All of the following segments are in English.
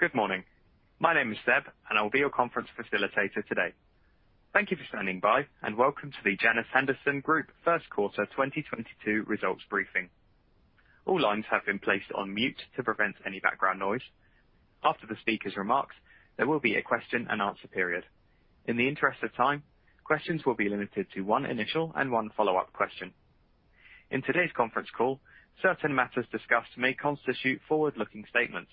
Good morning. My name is Zeb, and I will be your conference facilitator today. Thank you for standing by, and welcome to the Janus Henderson Group first quarter 2022 results briefing. All lines have been placed on mute to prevent any background noise. After the speaker's remarks, there will be a question-and-answer period. In the interest of time, questions will be limited to one initial and one follow-up question. In today's conference call, certain matters discussed may constitute forward-looking statements.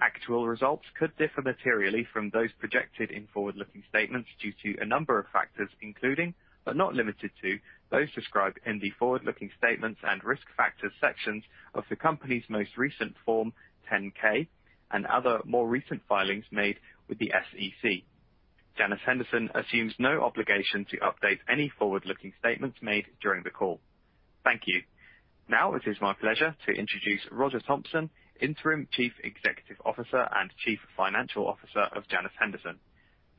Actual results could differ materially from those projected in forward-looking statements due to a number of factors including, but not limited to, those described in the forward-looking statements and risk factors sections of the company's most recent Form 10-K and other more recent filings made with the SEC. Janus Henderson assumes no obligation to update any forward-looking statements made during the call. Thank you. Now it is my pleasure to introduce Roger Thompson, Interim Chief Executive Officer and Chief Financial Officer of Janus Henderson.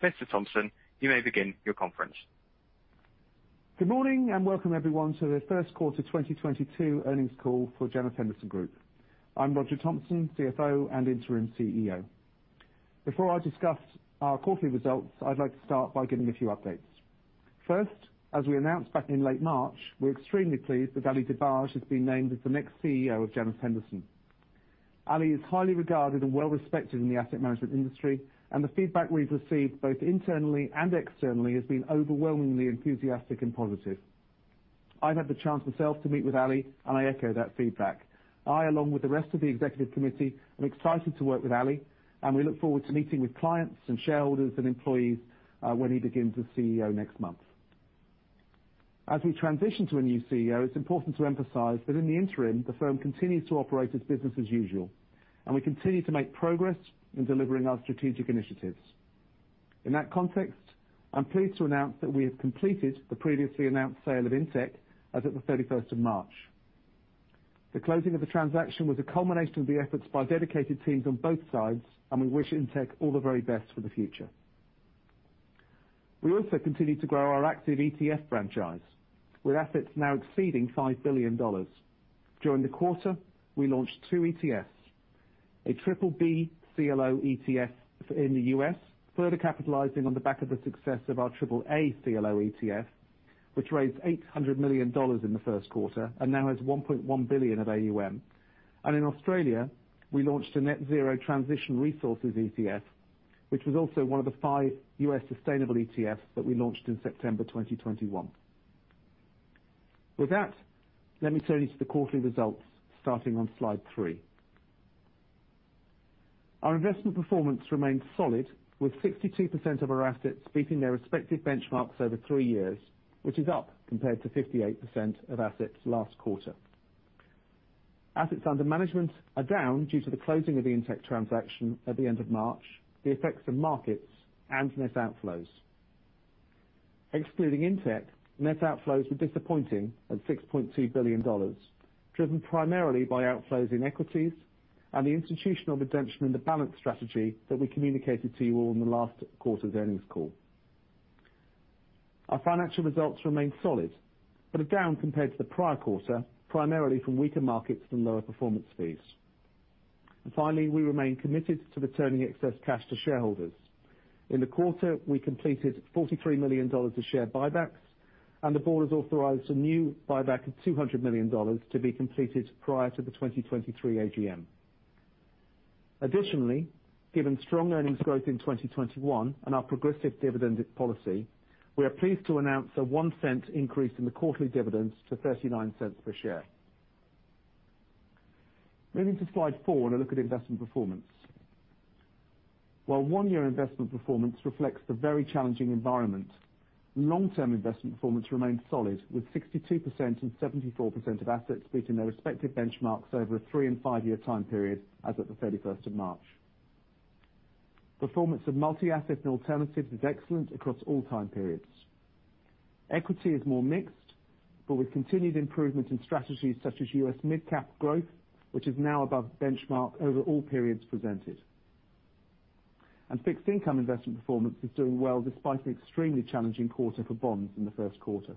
Mr. Thompson, you may begin your conference. Good morning, and welcome everyone to the first quarter 2022 earnings call for Janus Henderson Group. I'm Roger Thompson, CFO and Interim CEO. Before I discuss our quarterly results, I'd like to start by giving a few updates. First, as we announced back in late March, we're extremely pleased that Ali Dibadj has been named as the next CEO of Janus Henderson. Ali is highly regarded and well-respected in the asset management industry, and the feedback we've received both internally and externally has been overwhelmingly enthusiastic and positive. I've had the chance myself to meet with Ali, and I echo that feedback. I, along with the rest of the executive committee, am excited to work with Ali, and we look forward to meeting with clients and shareholders and employees when he begins as CEO next month. As we transition to a new CEO, it's important to emphasize that in the interim, the firm continues to operate as business as usual, and we continue to make progress in delivering our strategic initiatives. In that context, I'm pleased to announce that we have completed the previously announced sale of Intech as of the 31st March. The closing of the transaction was a culmination of the efforts by dedicated teams on both sides, and we wish Intech all the very best for the future. We also continue to grow our active ETF franchise with assets now exceeding $5 billion. During the quarter, we launched two ETFs, a BBB CLO ETF in the US, further capitalizing on the back of the success of our AAA CLO ETF, which raised $800 million in the first quarter and now has $1.1 billion of AUM. In Australia, we launched a Net Zero Transition Resources ETF, which was also one of the five US sustainable ETFs that we launched in September 2021. With that, let me turn you to the quarterly results starting on slide three. Our investment performance remains solid with 62% of our assets beating their respective benchmarks over three years, which is up compared to 58% of assets last quarter. Assets under management are down due to the closing of the Intech transaction at the end of March, the effects of markets, and net outflows. Excluding Intech, net outflows were disappointing at $6.2 billion, driven primarily by outflows in equities and the institutional redemption in the Balanced strategy that we communicated to you all in the last quarter's earnings call. Our financial results remain solid, but are down compared to the prior quarter, primarily from weaker markets and lower performance fees. Finally, we remain committed to returning excess cash to shareholders. In the quarter, we completed $43 million of share buybacks, and the board has authorized a new buyback of $200 million to be completed prior to the 2023 AGM. Additionally, given strong earnings growth in 2021 and our progressive dividend policy, we are pleased to announce a $0.01 increase in the quarterly dividend to $0.39 per share. Moving to slide four and a look at investment performance. While one year investment performance reflects the very challenging environment, long-term investment performance remains solid with 62% and 74% of assets beating their respective benchmarks over a three year and five year time period as of 31st March. Performance of multi-asset and alternatives is excellent across all time periods. Equity is more mixed, but with continued improvement in strategies such as US midcap growth, which is now above benchmark over all periods presented. Fixed income investment performance is doing well despite an extremely challenging quarter for bonds in the first quarter.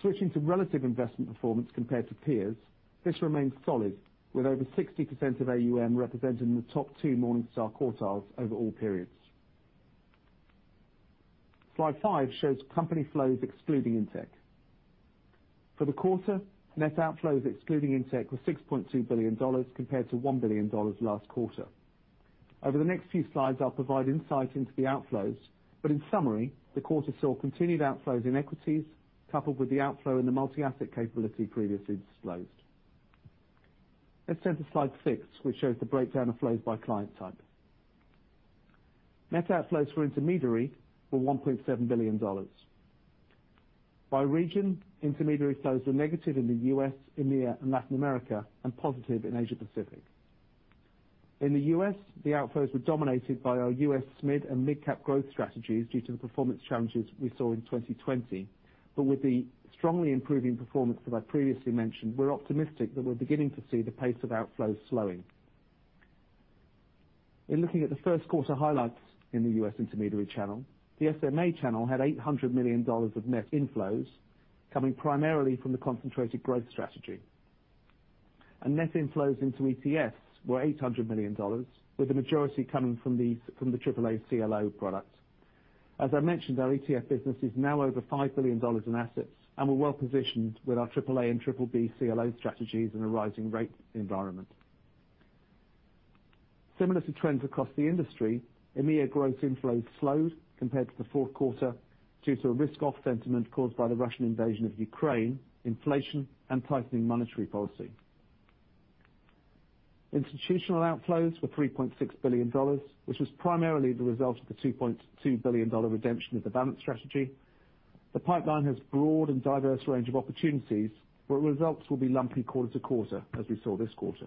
Switching to relative investment performance compared to peers, this remains solid with over 60% of AUM represented in the top two Morningstar quartiles over all periods. Slide five shows company flows excluding Intech. For the quarter, net outflows excluding Intech were $6.2 billion compared to $1 billion last quarter. Over the next few slides, I'll provide insight into the outflows, but in summary, the quarter saw continued outflows in equities coupled with the outflow in the multi-asset capability previously disclosed. Let's turn to slide six, which shows the breakdown of flows by client type. Net outflows for intermediary were $1.7 billion. By region, intermediary flows were negative in the U.S., India, and Latin America, and positive in Asia Pacific. In the U.S., the outflows were dominated by our U.S. SMID and mid-cap growth strategies due to the performance challenges we saw in 2020. With the strongly improving performance that I previously mentioned, we're optimistic that we're beginning to see the pace of outflows slowing. In looking at the first quarter highlights in the U.S. intermediary channel, the SMA channel had $800 million of net inflows, coming primarily from the Concentrated Growth strategy. Net inflows into ETFs were $800 million, with the majority coming from the triple-A CLO product. As I mentioned, our ETF business is now over $5 billion in assets, and we're well-positioned with our triple-A and triple-B CLO strategies in a rising rate environment. Similar to trends across the industry, EMEA growth inflows slowed compared to the fourth quarter due to a risk-off sentiment caused by the Russian invasion of Ukraine, inflation, and tightening monetary policy. Institutional outflows were $3.6 billion, which was primarily the result of the $2.2 billion redemption of the Balanced strategy. The pipeline has broad and diverse range of opportunities, but results will be lumpy quarter to quarter, as we saw this quarter.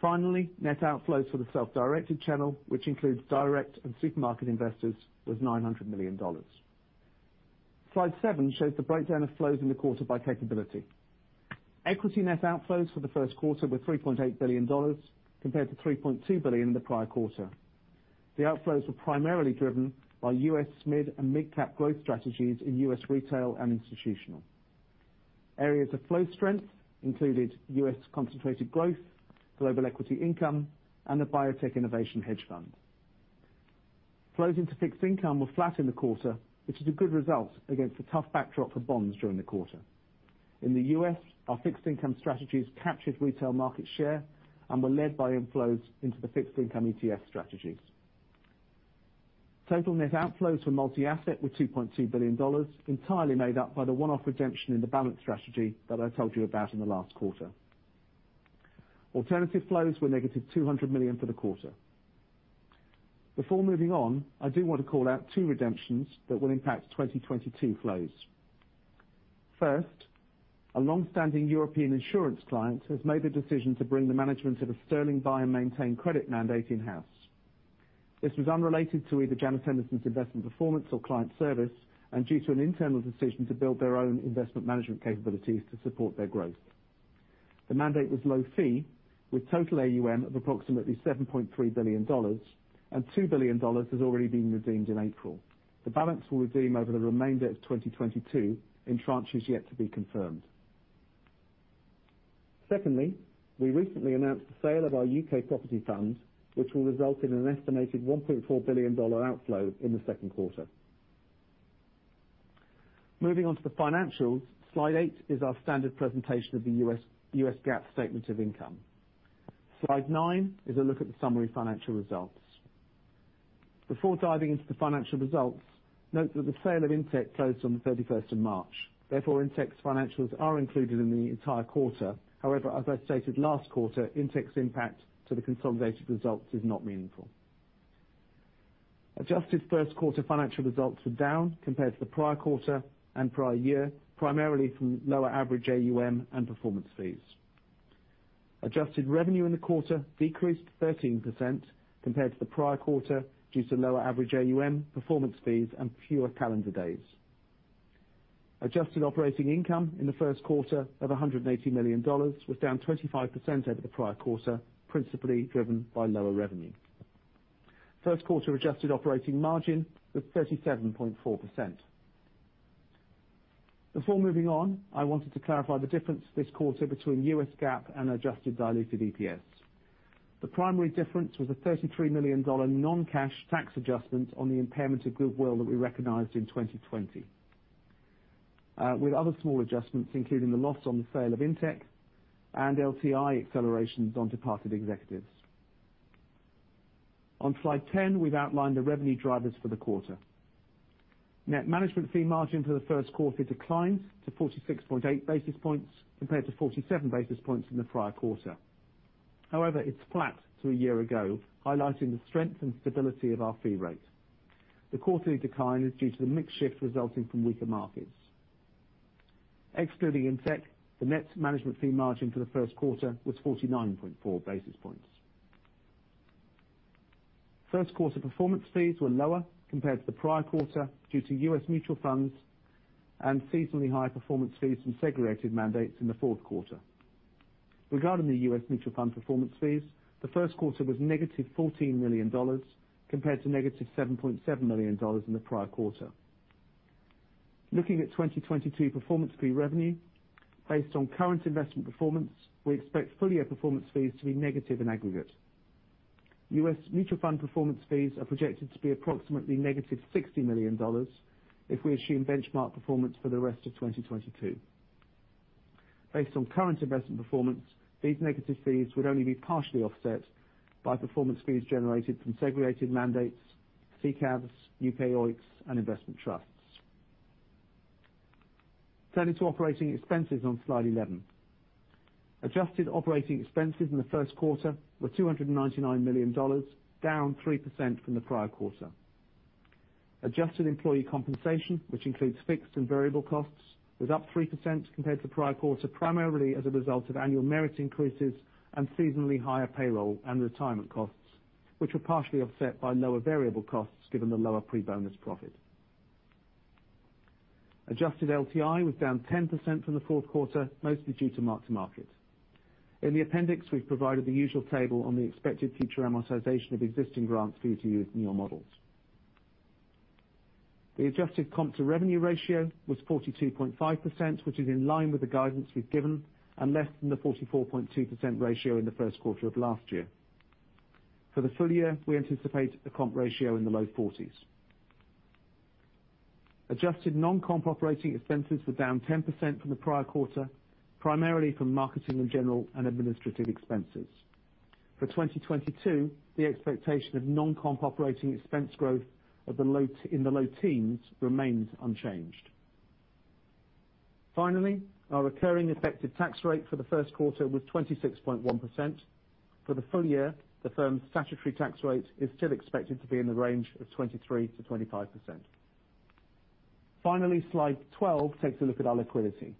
Finally, net outflows for the self-directed channel, which includes direct and supermarket investors, was $900 million. Slide seven shows the breakdown of flows in the quarter by capability. Equity net outflows for the first quarter were $3.8 billion compared to $3.2 billion in the prior quarter. The outflows were primarily driven by U.S. small- and mid-cap growth strategies in U.S. retail and institutional. Areas of flow strength included U.S. Concentrated Growth, Global Equity Income, and the Biotech Innovation Fund. Flows into fixed income were flat in the quarter, which is a good result against a tough backdrop for bonds during the quarter. In the U.S., our fixed income strategies captured retail market share and were led by inflows into the fixed income ETF strategies. Total net outflows for multi-asset were $2.2 billion, entirely made up by the one-off redemption in the Balanced strategy that I told you about in the last quarter. Alternative flows were negative $200 million for the quarter. Before moving on, I do want to call out two redemptions that will impact 2022 flows. First, a long-standing European insurance client has made the decision to bring the management of a sterling buy and maintain credit mandate in-house. This was unrelated to either Janus Henderson's investment performance or client service and due to an internal decision to build their own investment management capabilities to support their growth. The mandate was low fee with total AUM of approximately $7.3 billion, and $2 billion has already been redeemed in April. The balance will redeem over the remainder of 2022 in tranches yet to be confirmed. Secondly, we recently announced the sale of our UK property funds, which will result in an estimated $1.4 billion outflow in the second quarter. Moving on to the financials, slide eight is our standard presentation of the U.S. GAAP statement of income. Slide nine is a look at the summary financial results. Before diving into the financial results, note that the sale of Intech closed on the thirty-first of March. Therefore, Intech's financials are included in the entire quarter. However, as I stated last quarter, Intech's impact to the consolidated results is not meaningful. Adjusted first quarter financial results are down compared to the prior quarter and prior year, primarily from lower average AUM and performance fees. Adjusted revenue in the quarter decreased 13% compared to the prior quarter due to lower average AUM, performance fees, and fewer calendar days. Adjusted operating income in the first quarter of $180 million was down 25% over the prior quarter, principally driven by lower revenue. First quarter adjusted operating margin was 37.4%. Before moving on, I wanted to clarify the difference this quarter between US GAAP and adjusted diluted EPS. The primary difference was a $33 million non-cash tax adjustment on the impairment of goodwill that we recognized in 2020. With other small adjustments, including the loss on the sale of Intech and LTI accelerations to departed executives. On slide 10, we've outlined the revenue drivers for the quarter. Net management fee margin for the first quarter declined to 46.8 basis points compared to 47 basis points in the prior quarter. However, it's flat to a year ago, highlighting the strength and stability of our fee rate. The quarterly decline is due to the mix shift resulting from weaker markets. Excluding Intech, the net management fee margin for the first quarter was 49.4 basis points. First quarter performance fees were lower compared to the prior quarter due to U.S. mutual funds and seasonally higher performance fees from segregated mandates in the fourth quarter. Regarding the U.S. mutual fund performance fees, the first quarter was -$14 million compared to -$7.7 million in the prior quarter. Looking at 2022 performance fee revenue, based on current investment performance, we expect full year performance fees to be negative in aggregate. U.S. mutual fund performance fees are projected to be approximately -$60 million if we assume benchmark performance for the rest of 2022. Based on current investment performance, these negative fees would only be partially offset by performance fees generated from segregated mandates, ICAVs, UK OEICs, and investment trusts. Turning to operating expenses on slide 11. Adjusted operating expenses in the first quarter were $299 million, down 3% from the prior quarter. Adjusted employee compensation, which includes fixed and variable costs, was up 3% compared to the prior quarter, primarily as a result of annual merit increases and seasonally higher payroll and retirement costs, which were partially offset by lower variable costs, given the lower pre-bonus profit. Adjusted LTI was down 10% from the fourth quarter, mostly due to mark-to-market. In the appendix, we've provided the usual table on the expected future amortization of existing grants for you to use in your models. The adjusted comp to revenue ratio was 42.5%, which is in line with the guidance we've given and less than the 44.2% ratio in the first quarter of last year. For the full year, we anticipate a comp ratio in the low forties. Adjusted non-comp operating expenses were down 10% from the prior quarter, primarily from marketing and general and administrative expenses. For 2022, the expectation of non-comp operating expense growth in the low teens remains unchanged. Finally, our recurring effective tax rate for the first quarter was 26.1%. For the full year, the firm's statutory tax rate is still expected to be in the range of 23%-25%. Finally, slide 12 takes a look at our liquidity.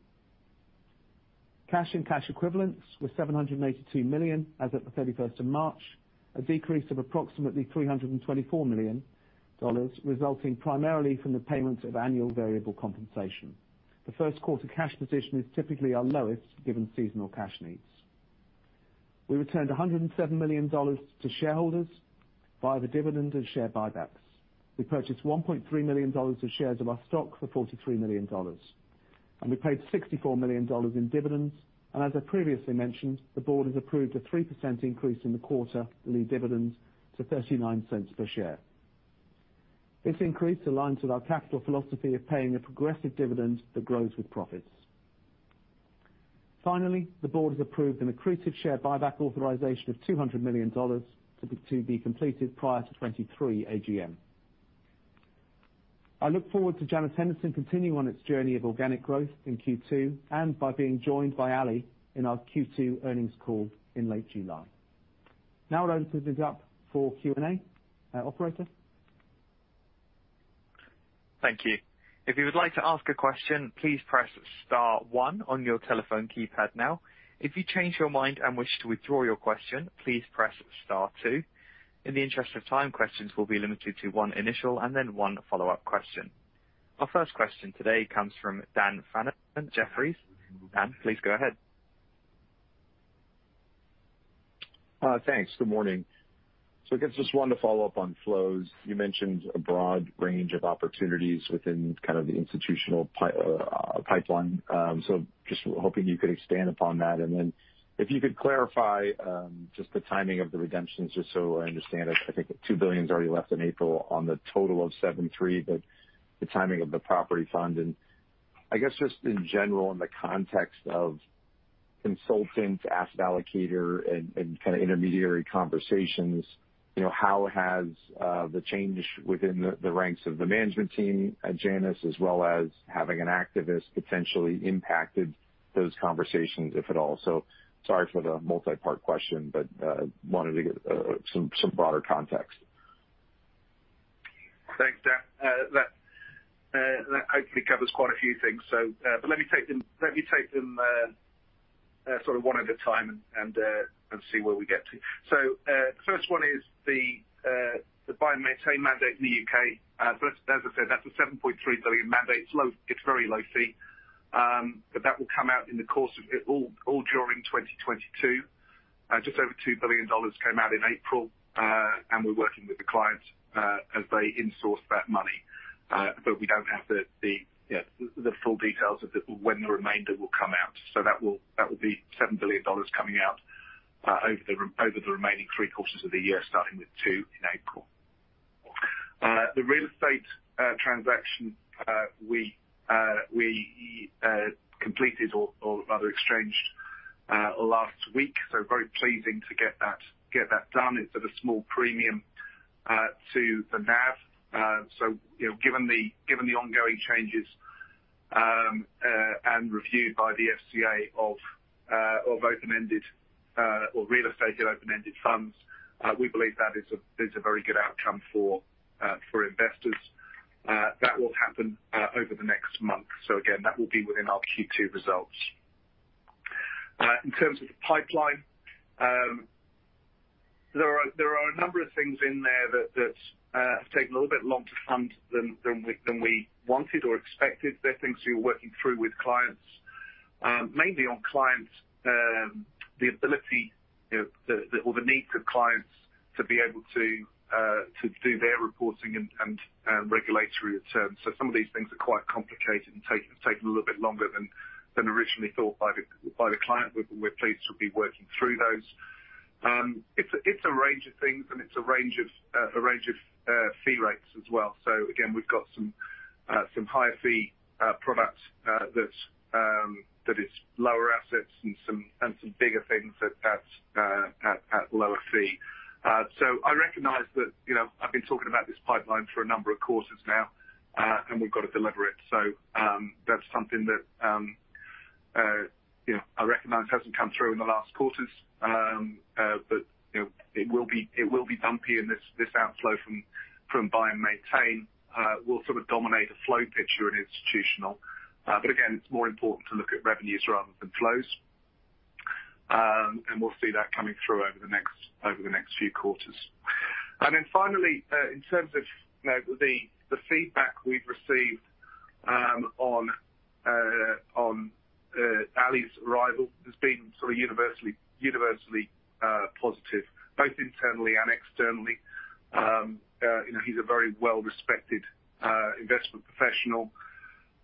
Cash and cash equivalents were $782 million as at the 31st March, a decrease of approximately $324 million, resulting primarily from the payments of annual variable compensation. The first quarter cash position is typically our lowest given seasonal cash needs. We returned $107 million to shareholders via the dividend and share buybacks. We purchased 1.3 million shares of our stock for $43 million. We paid $64 million in dividends. As I previously mentioned, the board has approved a 3% increase in the quarterly dividends to $0.39 per share. This increase aligns with our capital philosophy of paying a progressive dividend that grows with profits. Finally, the board has approved an accretive share buyback authorization of $200 million to be completed prior to 2023 AGM. I look forward to Janus Henderson continuing on its journey of organic growth in Q2 and by being joined by Ali in our Q2 earnings call in late July. Now I'll open things up for Q&A. Operator. Thank you. If you would like to ask a question, please press star one on your telephone keypad now. If you change your mind and wish to withdraw your question, please press star two. In the interest of time, questions will be limited to one initial and then one follow-up question. Our first question today comes from Dan Fannon at Jefferies. Dan, please go ahead. Thanks. Good morning. I guess just wanted to follow up on flows. You mentioned a broad range of opportunities within kind of the institutional pipeline. Just hoping you could expand upon that. If you could clarify just the timing of the redemptions, just so I understand it. I think $2 billion's already left in April on the total of $73 billion, but the timing of the property fund. I guess just in general, in the context of consultants, asset allocator, and kinda intermediary conversations, you know, how has the change within the ranks of the management team at Janus, as well as having an activist, potentially impacted those conversations, if at all? Sorry for the multi-part question, but wanted to get some broader context. Thanks, Dan. That I think covers quite a few things. But let me take them sort of one at a time and see where we get to. First one is the buy and maintain mandate in the UK. First, as I said, that's a 7.3 billion mandate. It's very low fee, but that will come out in the course of it all during 2022. Just over $2 billion came out in April, and we're working with the clients as they insource that money. But we don't have the you know the full details of when the remainder will come out. That will be $7 billion coming out over the remaining three quarters of the year, starting with $2 billion in April. The real estate transaction we completed or rather exchanged last week, very pleasing to get that done. It's at a small premium to the NAV. You know, given the ongoing changes and review by the FCA of open-ended real estate funds, we believe that is a very good outcome for investors. That will happen over the next month. Again, that will be within our Q2 results. In terms of the pipeline, there are a number of things in there that have taken a little bit longer to fund than we wanted or expected. They're things we're working through with clients, mainly on clients' ability, you know, or the need for clients to be able to do their reporting and regulatory returns. Some of these things are quite complicated and taking a little bit longer than originally thought by the client. We're pleased to be working through those. It's a range of things, and it's a range of fee rates as well. Again, we've got some higher fee products that have lower assets and some bigger things at lower fee. I recognize that, you know, I've been talking about this pipeline for a number of quarters now, and we've got to deliver it. That's something that, you know, I recognize hasn't come through in the last quarters. You know, it will be bumpy and this outflow from buy and maintain will sort of dominate the flow picture in institutional. Again, it's more important to look at revenues rather than flows. We'll see that coming through over the next few quarters. Then finally, in terms of, you know, the feedback we've received on Ali's arrival has been sort of universally positive, both internally and externally. You know, he's a very well-respected investment professional,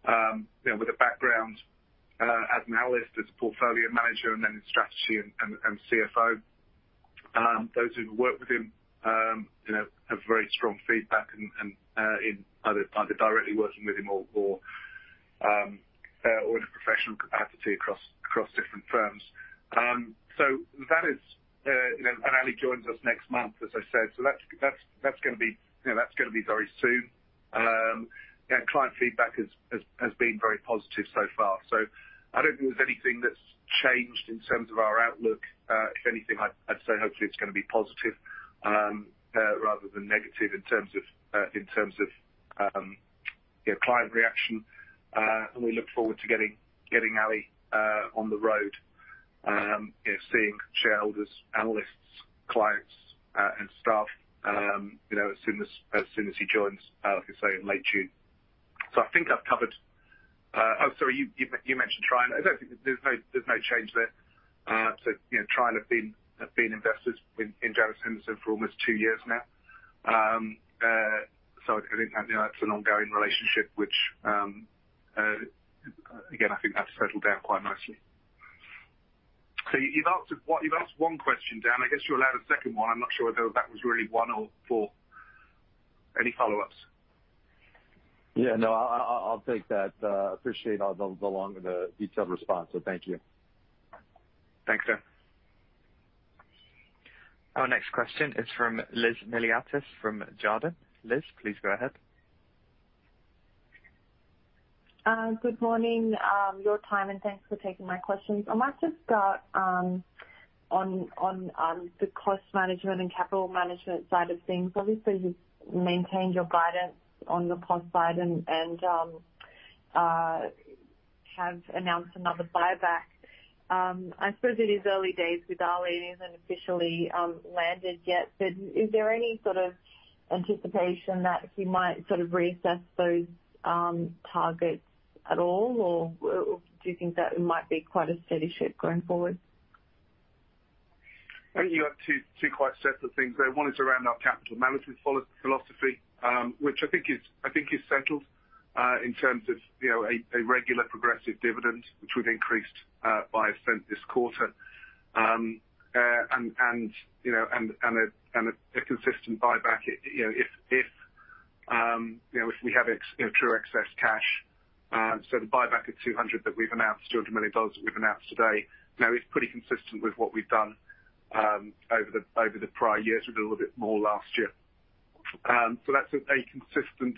you know, with a background at AllianceBernstein as a portfolio manager and then in strategy and CFO. Those who've worked with him, you know, have very strong feedback and in either directly working with him or in a professional capacity across different firms. So that is, you know. Ali joins us next month, as I said. So that's gonna be, you know, that's gonna be very soon. Yeah, client feedback has been very positive so far. I don't think there's anything that's changed in terms of our outlook. If anything, I'd say hopefully it's gonna be positive rather than negative in terms of you know, client reaction. We look forward to getting Ali on the road you know, seeing shareholders, analysts, clients and staff you know, as soon as he joins as I say, in late June. I think I've covered. Oh, sorry, you mentioned Trian. There's no change there. You know, Trian have been investors in Janus Henderson for almost two years now. I think that you know, that's an ongoing relationship, which again, I think that's settled down quite nicely. You've asked one question, Dan. I guess you're allowed a second one. I'm not sure whether that was really one or four. Any follow-ups? Yeah, no, I'll take that. Appreciate all the long and detailed response. Thank you. Thanks, Dan. Our next question is from Elizabeth Miliatis from Jarden. Liz, please go ahead. Good morning, your time, and thanks for taking my questions. I might just start on the cost management and capital management side of things. Obviously, you've maintained your guidance on the cost side and have announced another buyback. I suppose it is early days with Ali. He hasn't officially landed yet. Is there any sort of anticipation that he might sort of reassess those targets at all, or do you think that it might be quite a steady ship going forward? I think you have two quite separate things there. One is around our capital management philosophy, which I think is settled in terms of, you know, a regular progressive dividend, which we've increased by $0.01 this quarter, and a consistent buyback. You know, if we have true excess cash, so the buyback of $200 million that we've announced today, you know, is pretty consistent with what we've done over the prior years. We did a little bit more last year. So that's a consistent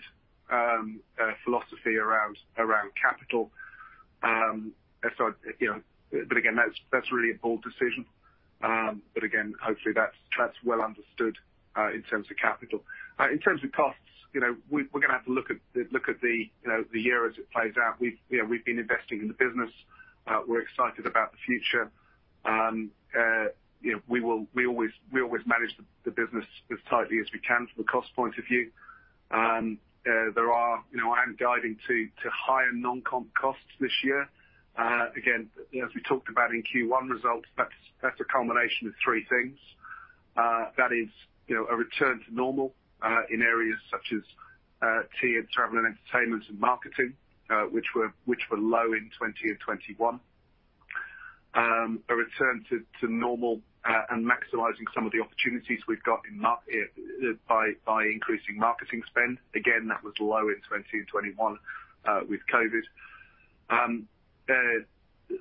philosophy around capital. You know, again, that's really a board decision. Again, hopefully that's well understood in terms of capital. In terms of costs, you know, we're gonna have to look at the year as it plays out. You know, we've been investing in the business. We're excited about the future. You know, we always manage the business as tightly as we can from a cost point of view. You know, I am guiding to higher non-comp costs this year. Again, you know, as we talked about in Q1 results, that's a combination of three things. That is, you know, a return to normal in areas such as T&E and marketing, which were low in 2020 and 2021. A return to normal and maximizing some of the opportunities we've got in marketing by increasing marketing spend. Again, that was low in 2020 and 2021 with COVID.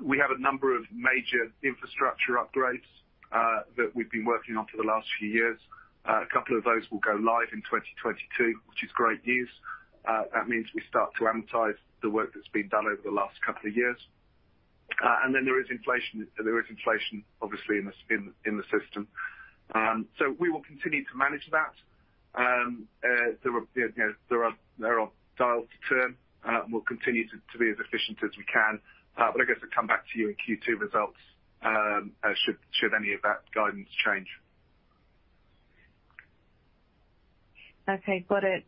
We have a number of major infrastructure upgrades that we've been working on for the last few years. A couple of those will go live in 2022, which is great news. That means we start to amortize the work that's been done over the last couple of years. There is inflation. There is inflation obviously in the system. We will continue to manage that. There are, you know, dials to turn. We'll continue to be as efficient as we can. I guess I'll come back to you in Q2 results, should any of that guidance change. Okay, got it.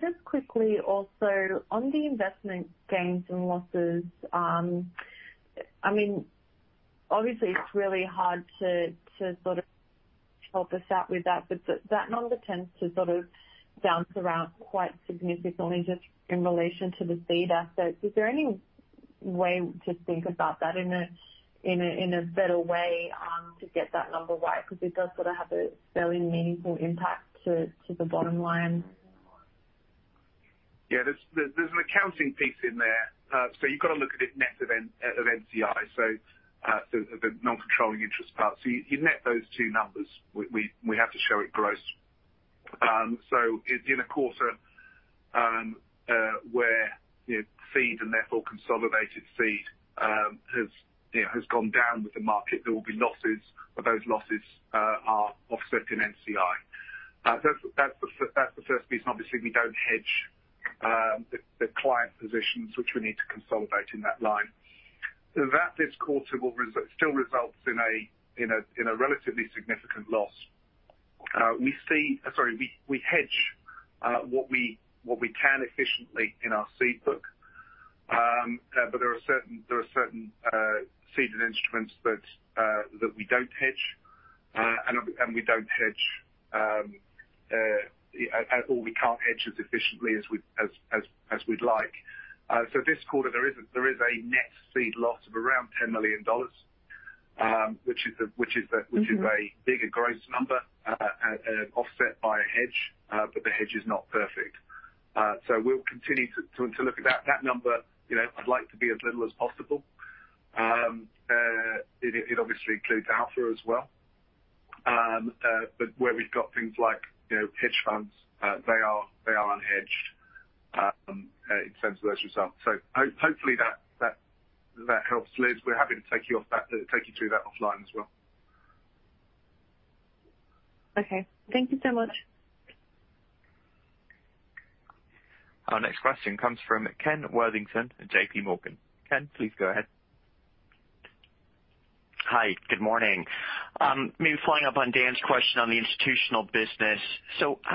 Just quickly also on the investment gains and losses. I mean, obviously it's really hard to sort of help us out with that, but that number tends to sort of bounce around quite significantly just in relation to the seed assets. Is there any way to think about that in a better way to get that number right because it does sort of have a fairly meaningful impact to the bottom line? Yeah. There's an accounting piece in there. You've got to look at it net of NCI, the non-controlling interest part. You net those two numbers. We have to show it gross. In a quarter where you know seed and therefore consolidated seed has you know gone down with the market, there will be losses, but those losses are offset in NCI. That's the first piece. Obviously we don't hedge the client positions which we need to consolidate in that line. That this quarter will still results in a relatively significant loss. We hedge what we can efficiently in our seed book. There are certain seeded instruments that we don't hedge. We don't hedge or we can't hedge as efficiently as we'd like. This quarter there is a net seed loss of around $10 million. Mm-hmm. Which is a bigger gross number, offset by a hedge, but the hedge is not perfect. We'll continue to look at that. That number, you know, I'd like to be as little as possible. It obviously includes Alpha as well. But where we've got things like, you know, hedge funds, they are unhedged in terms of those results. Hopefully that helps, Liz. We're happy to take that offline, take you through that as well. Okay. Thank you so much. Our next question comes from Ken Worthington at JPMorgan. Ken, please go ahead. Hi. Good morning. Maybe following up on Dan's question on the institutional business.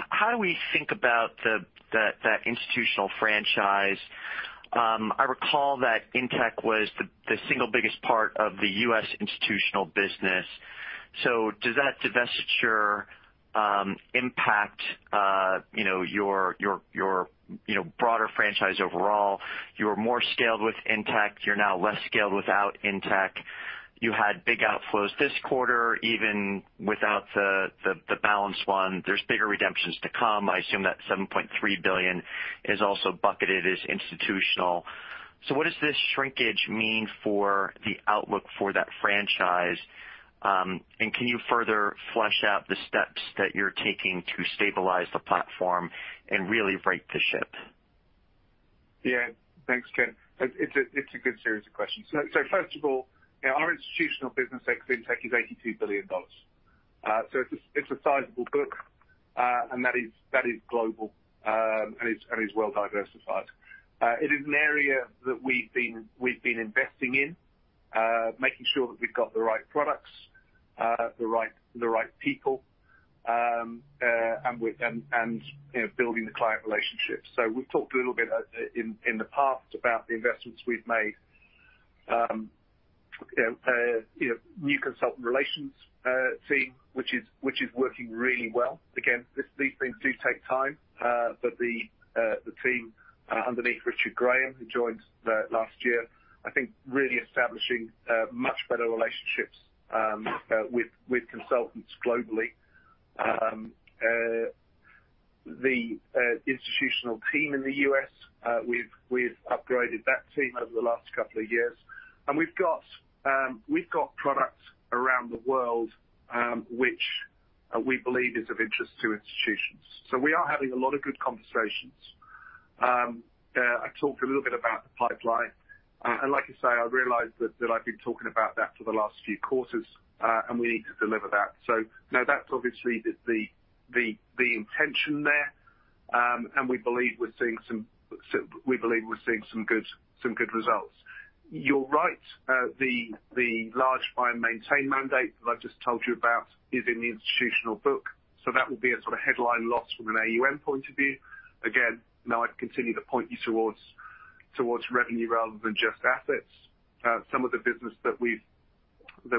How do we think about the institutional franchise? I recall that Intech was the single biggest part of the U.S. institutional business. Does that divestiture impact, you know, your broader franchise overall? You were more scaled with Intech, you're now less scaled without Intech. You had big outflows this quarter, even without the balanced one. There's bigger redemptions to come. I assume that $7.3 billion is also bucketed as institutional. What does this shrinkage mean for the outlook for that franchise? Can you further flesh out the steps that you're taking to stabilize the platform and really right the ship? Yeah. Thanks, Ken. It's a good series of questions. First of all, our institutional business ex Intech is $82 billion. So it's a sizable book, and that is global. And it's well diversified. It is an area that we've been investing in, making sure that we've got the right products, the right people, you know, building the client relationships. We've talked a little bit in the past about the investments we've made. You know, new consultant relations team, which is working really well. Again, these things do take time. The team underneath Richard Graham, who joined last year, I think really establishing much better relationships with consultants globally. The institutional team in the US, we've upgraded that team over the last couple of years. We've got products around the world, which we believe is of interest to institutions. We are having a lot of good conversations. I talked a little bit about the pipeline, and like I say, I realize that I've been talking about that for the last few quarters, and we need to deliver that. You know, that's obviously the intention there. We believe we're seeing some good results. You're right. The large buy and maintain mandate that I've just told you about is in the institutional book. That will be a sort of headline loss from an AUM point of view. Again, I'd continue to point you towards revenue rather than just assets. Some of the business, you know,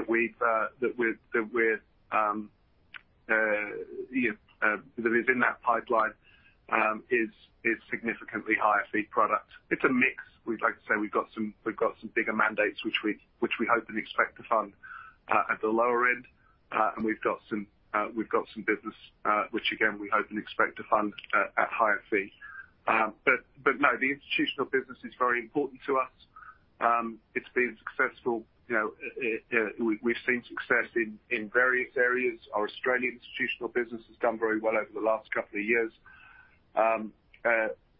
that is in that pipeline is significantly higher fee product. It's a mix. We'd like to say we've got some bigger mandates which we hope and expect to fund at the lower end. We've got some business which again, we hope and expect to fund at higher fee. No, the institutional business is very important to us. It's been successful. You know, we've seen success in various areas. Our Australian institutional business has done very well over the last couple of years.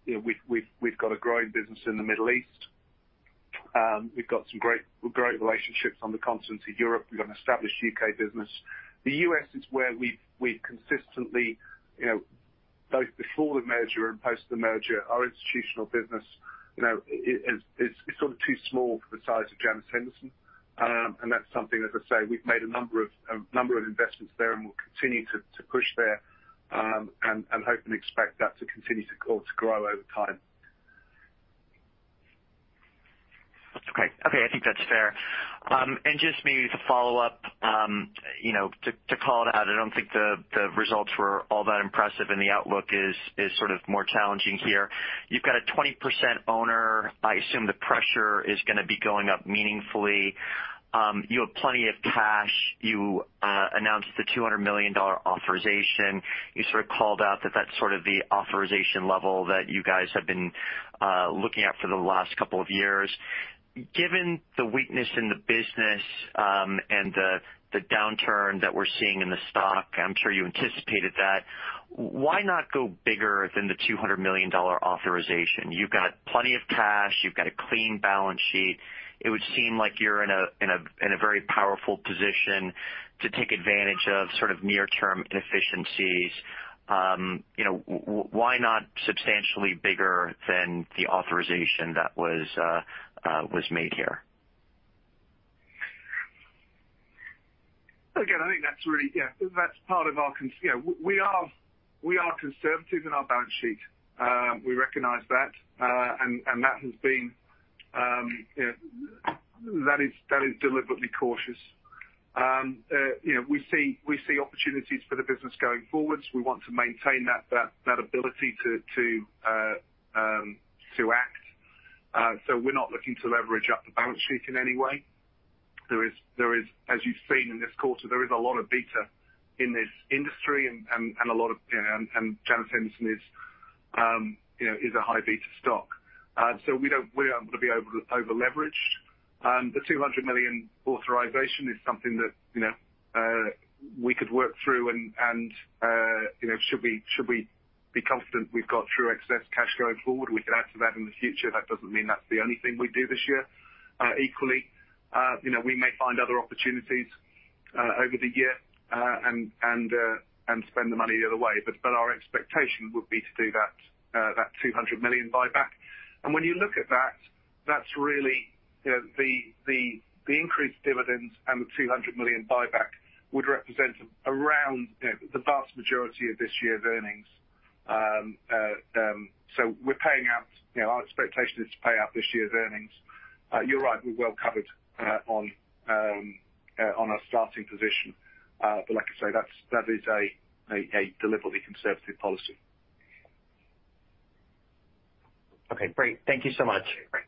You know, we've got a growing business in the Middle East. We've got some great relationships on the continent of Europe. We've got an established UK business. The US is where we've consistently, you know, both before the merger and post the merger, our institutional business, you know, is too small for the size of Janus Henderson. That's something, as I say, we've made a number of investments there, and we'll continue to push there, and hope and expect that to continue to grow over time. Okay. Okay, I think that's fair. Just maybe to follow up, you know, to call it out, I don't think the results were all that impressive and the outlook is sort of more challenging here. You've got a 20% owner. I assume the pressure is gonna be going up meaningfully. You have plenty of cash. You announced the $200 million authorization. You sort of called out that that's sort of the authorization level that you guys have been looking at for the last couple of years. Given the weakness in the business, and the downturn that we're seeing in the stock, I'm sure you anticipated that. Why not go bigger than the $200 million authorization? You've got plenty of cash. You've got a clean balance sheet. It would seem like you're in a very powerful position to take advantage of sort of near-term inefficiencies. You know, why not substantially bigger than the authorization that was made here? Again, I think that's yeah, that's part of our conservative. You know, we are conservative in our balance sheet. We recognize that and that has been, you know, that is deliberately cautious. You know, we see opportunities for the business going forward. We want to maintain that ability to act. We're not looking to leverage up the balance sheet in any way. As you've seen in this quarter, there is a lot of beta in this industry and a lot of, you know, and Janus Henderson is a high beta stock. We don't wanna be over-leveraged. The $200 million authorization is something that, you know, we could work through and, you know, should we be confident we've got true excess cash going forward, we can add to that in the future. That doesn't mean that's the only thing we do this year. Equally, you know, we may find other opportunities over the year and spend the money the other way. Our expectation would be to do that $200 million buyback. When you look at that's really, you know, the increased dividends and the $200 million buyback would represent around, you know, the vast majority of this year's earnings. We're paying out, you know, our expectation is to pay out this year's earnings. You're right, we're well covered on our starting position. Like I say, that is a deliberately conservative policy. Okay, great. Thank you so much. Great.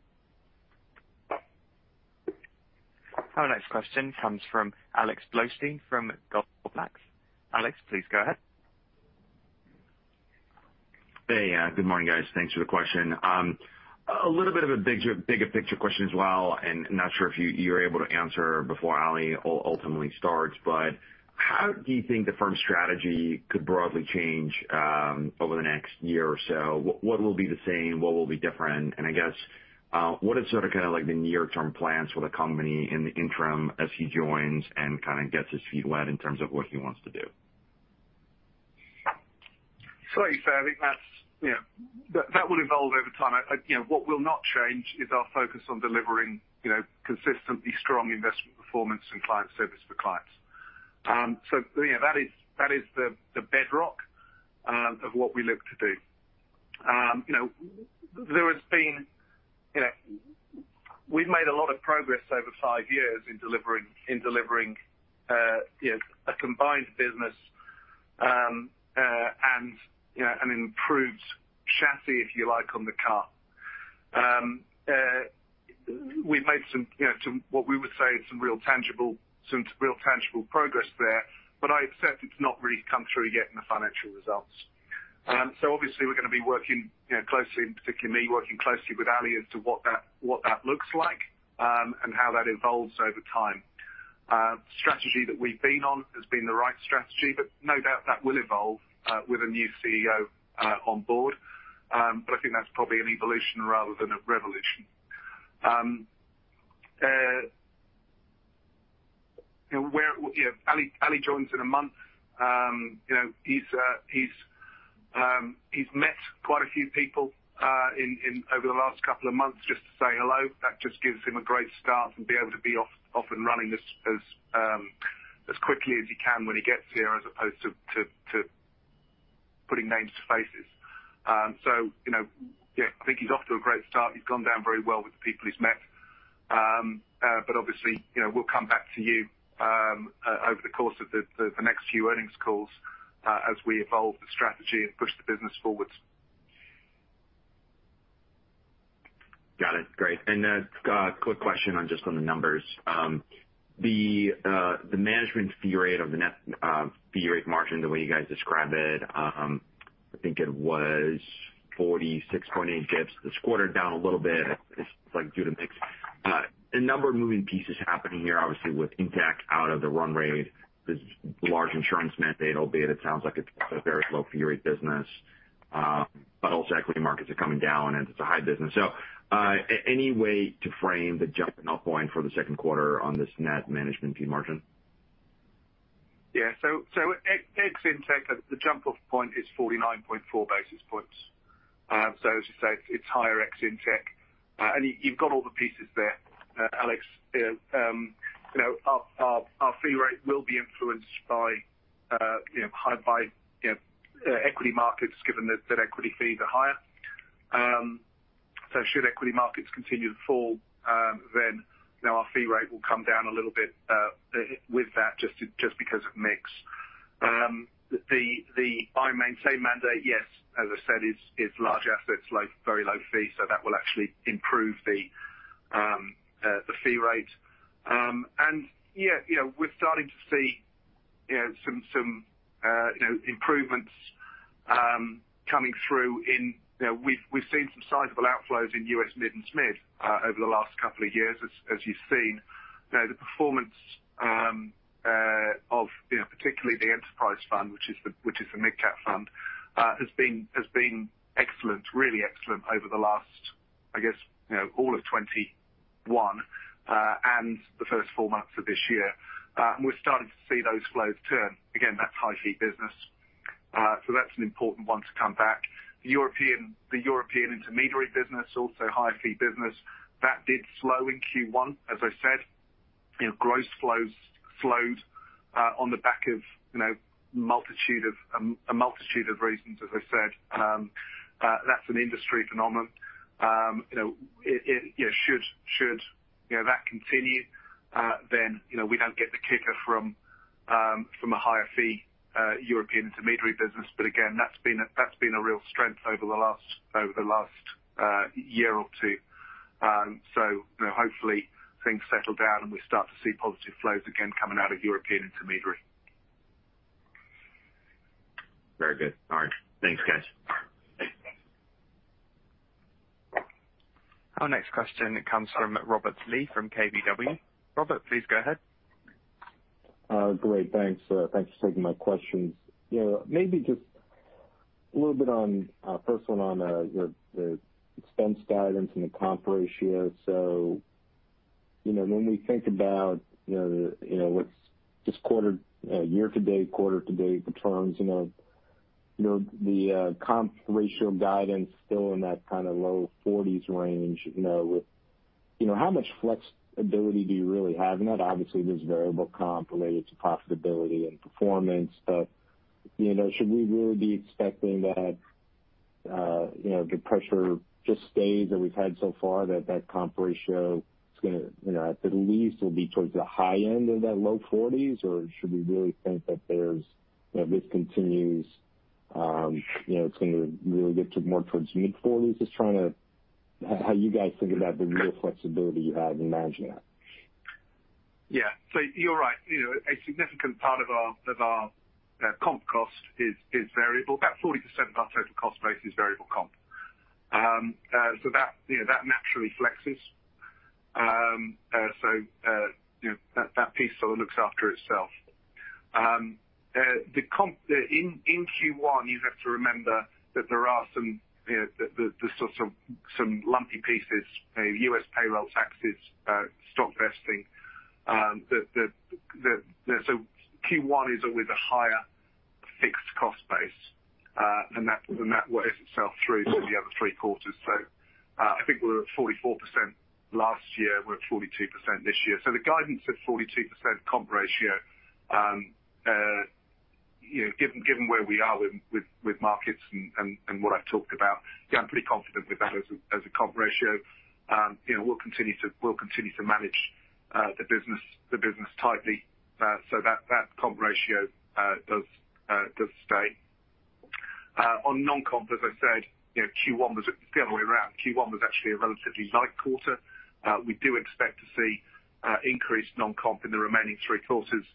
Our next question comes from Alexander Blostein from Goldman Sachs. Alex, please go ahead. Hey, good morning, guys. Thanks for the question. A little bit of a bigger picture question as well, and not sure if you're able to answer before Ali ultimately starts, but how do you think the firm's strategy could broadly change over the next year or so? What will be the same? What will be different? And I guess, what is sort of, kind of like the near term plans for the company in the interim as he joins and kind of gets his feet wet in terms of what he wants to do? I think that, you know, that will evolve over time. You know, what will not change is our focus on delivering, you know, consistently strong investment performance and client service for clients. That is the bedrock of what we look to do. You know, we've made a lot of progress over five years in delivering, you know, a combined business and, you know, an improved chassis, if you like, on the car. We've made some, you know, what we would say is some real tangible progress there, but I accept it's not really come through yet in the financial results. Obviously we're gonna be working, you know, closely, and particularly me working closely with Ali as to what that, what that looks like, and how that evolves over time. Strategy that we've been on has been the right strategy, but no doubt that will evolve with a new CEO on board. I think that's probably an evolution rather than a revolution. You know, Ali joins in a month. You know, he's met quite a few people over the last couple of months just to say hello. That just gives him a great start and be able to be off, up and running as quickly as he can when he gets here, as opposed to putting names to faces. You know, yeah, I think he's off to a great start. He's gone down very well with the people he's met. Obviously, you know, we'll come back to you, over the course of the next few earnings calls as we evolve the strategy and push the business forward. Got it. Great. Quick question on the numbers. The management fee rate of the net fee rate margin, the way you guys describe it, I think it was 46.8 bps. It's quartered down a little bit. It's like due to mix. A number of moving pieces happening here, obviously with Intech out of the run rate. This large insurance mandate, albeit it sounds like it's a very low fee rate business, but also equity markets are coming down and it's a high business. Any way to frame the jumping off point for the second quarter on this net management fee margin? Yeah. Ex Intech, the jump off point is 49.4 basis points. As you say, it's higher ex Intech. You've got all the pieces there, Alex. You know, our fee rate will be influenced by equity markets given that equity fees are higher. Should equity markets continue to fall, then you know, our fee rate will come down a little bit with that just because of mix. The buy and maintain mandate, yes, as I said, is large assets, very low fee. That will actually improve the fee rate. Yeah, you know, we're starting to see some improvements coming through in. You know, we've seen some sizable outflows in U.S. mid and SMID over the last couple of years, as you've seen. You know, the performance of, you know, particularly the Enterprise Fund, which is the midcap fund, has been excellent, really excellent over the last, I guess, you know, all of 2021, the first four months of this year. We're starting to see those flows turn. Again, that's high fee business. That's an important one to come back. European, the European intermediary business, also high fee business that did slow in Q1, as I said. You know, gross flows slowed on the back of, you know, a multitude of reasons, as I said. That's an industry phenomenon. You know, it. Yeah, should that continue, then you know we don't get the kicker from a higher fee European intermediary business. Again, that's been a real strength over the last year or two. You know, hopefully things settle down and we start to see positive flows again coming out of European intermediary. Very good. All right. Thanks, guys. Our next question comes from Robert Lee from KBW. Robert, please go ahead. Great. Thanks for taking my questions. You know, maybe just a little bit on first one on your the expense guidance and the comp ratio. You know, when we think about you know what's this quarter year to date quarter to date returns you know the comp ratio guidance still in that kind of low 40s range. You know how much flexibility do you really have in that? Obviously, there's variable comp related to profitability and performance. You know should we really be expecting that you know the pressure just stays that we've had so far that comp ratio is gonna you know at the least will be towards the high end of that low 40s? Should we really think that there's, you know, this continues, you know, it's gonna really get to more towards mid-forties? Just trying to how you guys think about the real flexibility you have in managing that. Yeah. You're right. You know, a significant part of our comp cost is variable. About 40% of our total cost base is variable comp. That naturally flexes. You know, that piece sort of looks after itself. In Q1, you have to remember that there are some lumpy pieces, you know, U.S. payroll taxes, stock vesting. Q1 is always a higher fixed cost base, and that works itself through to the other three quarters. I think we're at 44% last year, we're at 42% this year. The guidance at 42% comp ratio, you know, given where we are with markets and what I've talked about, yeah, I'm pretty confident with that as a comp ratio. You know, we'll continue to manage the business tightly so that comp ratio does stay. On non-comp, as I said, you know, Q1 was the other way around. Q1 was actually a relatively light quarter. We do expect to see increased non-comp in the remaining three quarters.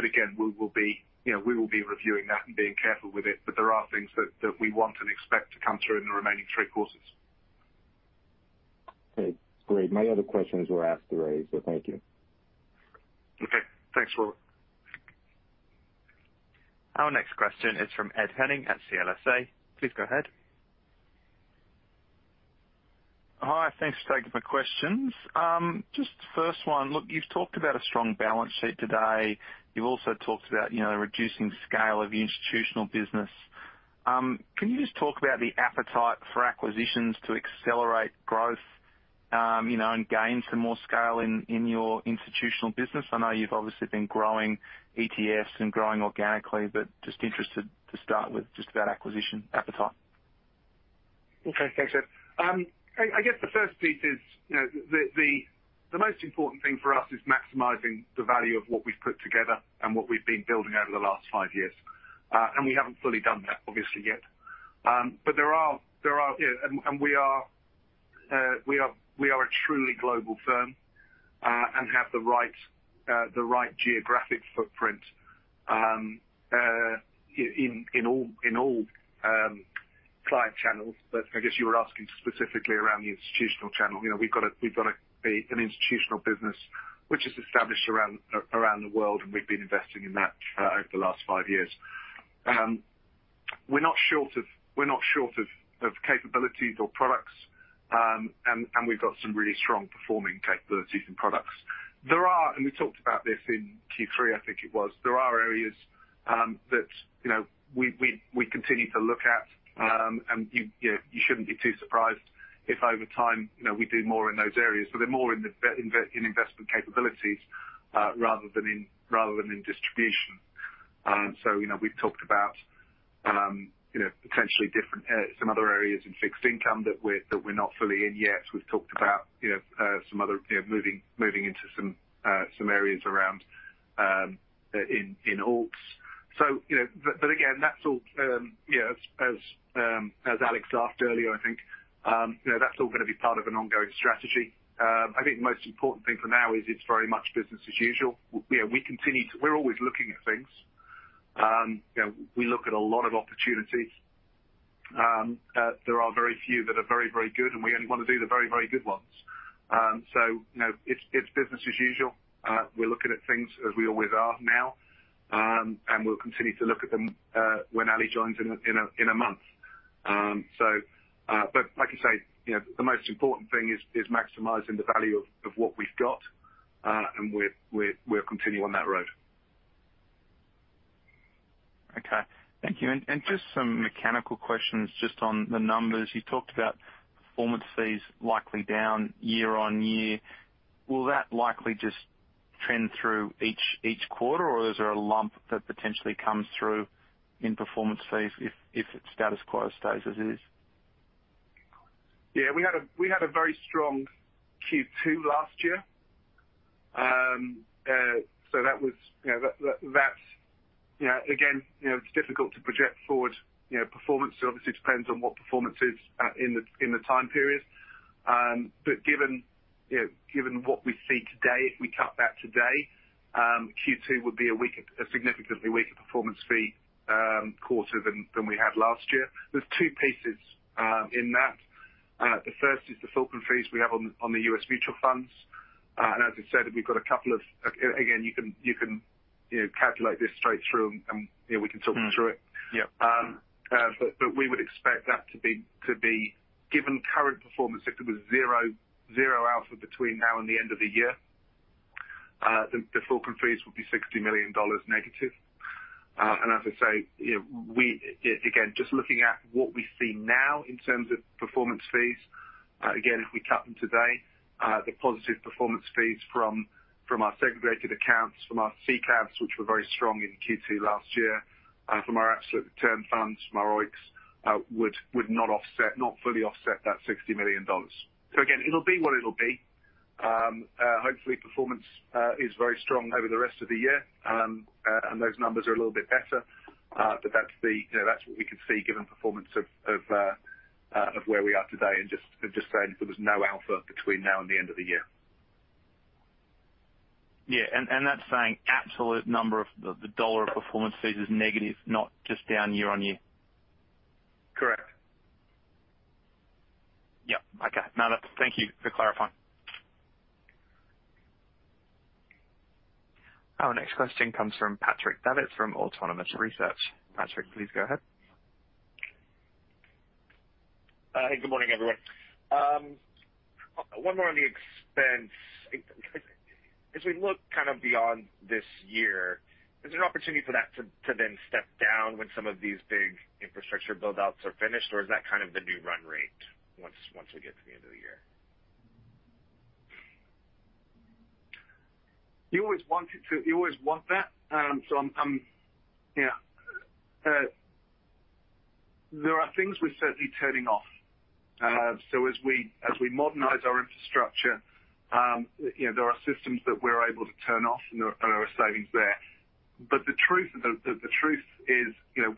Again, we will be reviewing that and being careful with it. There are things that we want and expect to come through in the remaining three quarters. Okay, great. My other questions were asked already, so thank you. Okay. Thanks, Robert. Our next question is from Ed Henning at CLSA. Please go ahead. Hi. Thanks for taking my questions. Just first one. Look, you've talked about a strong balance sheet today. You've also talked about, you know, reducing scale of the institutional business. Can you just talk about the appetite for acquisitions to accelerate growth, you know, and gain some more scale in your institutional business? I know you've obviously been growing ETFs and growing organically, but just interested to start with just about acquisition appetite. Okay. Thanks, Ed. I guess the first piece is, you know, the most important thing for us is maximizing the value of what we've put together and what we've been building over the last five years. We haven't fully done that obviously yet. You know, we are a truly global firm and have the right geographic footprint in all client channels. I guess you were asking specifically around the institutional channel. You know, we've got an institutional business which is established around the world, and we've been investing in that over the last five years. We're not short of capabilities or products. We've got some really strong performing capabilities and products. We talked about this in Q3, I think it was. There are areas that you know we continue to look at. You know you shouldn't be too surprised if over time, you know, we do more in those areas. But they're more in the investment capabilities rather than in distribution. You know, we've talked about you know potentially some other areas in fixed income that we're not fully in yet. We've talked about, you know, some other, you know, moving into some areas around in alts. You know, again, that's all, you know, as Alex asked earlier, I think, you know, that's all gonna be part of an ongoing strategy. I think the most important thing for now is it's very much business as usual. You know, we're always looking at things. You know, we look at a lot of opportunities. There are very few that are very, very good, and we only wanna do the very, very good ones. You know, it's business as usual. We're looking at things as we always are now. We'll continue to look at them in a month. Like you say, you know, the most important thing is maximizing the value of what we've got, and we're continuing on that road. Okay. Thank you. Just some mechanical questions just on the numbers. You talked about performance fees likely down year-on-year. Will that likely just trend through each quarter, or is there a lump that potentially comes through in performance fees if it status quo stays as is? Yeah. We had a very strong Q2 last year. That was, you know, that's. You know, again, you know, it's difficult to project forward, you know, performance. Obviously it depends on what performance is in the time period. Given, you know, what we see today, if we cut that today, Q2 would be a significantly weaker performance fee quarter than we had last year. There's two pieces in that. The first is the fulcrum fees we have on the U.S. mutual funds. As I said, we've got a couple of. Again, you can calculate this straight through and, you know, we can talk them through it. Mm-hmm. Yep. We would expect that to be given current performance, if there was zero alpha between now and the end of the year, the fulcrum fees would be $60 million negative. As I say, you know, again, just looking at what we see now in terms of performance fees, again, if we cut them today, the positive performance fees from our segregated accounts, from our CCaps, which were very strong in Q2 last year, from our absolute return funds, from our OEICs, would not fully offset that $60 million. Again, it'll be what it'll be. Hopefully performance is very strong over the rest of the year, and those numbers are a little bit better. That's the, you know, that's what we can see given performance of where we are today and just saying if there was no alpha between now and the end of the year. Yeah. That's saying absolute number of the dollar of performance fees is negative, not just down year-over-year. Correct. Yep. Okay. No. Thank you for clarifying. Our next question comes from Patrick Davitt from Autonomous Research. Patrick, please go ahead. Good morning, everyone. One more on the expense. As we look kind of beyond this year, is there an opportunity for that to then step down when some of these big infrastructure build-outs are finished, or is that kind of the new run rate once we get to the end of the year? You always want that. Yeah, there are things we're certainly turning off. As we modernize our infrastructure, you know, there are systems that we're able to turn off, and there are savings there. The truth is, you know,